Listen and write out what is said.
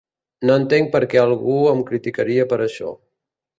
No entenc per què algú em criticaria per això.